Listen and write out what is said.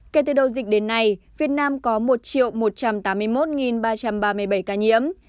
kể từ đầu dịch đến nay việt nam có một một trăm tám mươi một ba trăm ba mươi bảy ca nhiễm